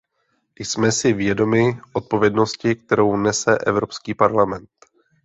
Jsme si vědomi odpovědnosti, kterou nese Evropský parlament.